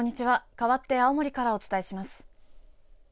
かわって青森からお伝えします。